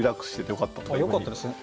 よかったですね。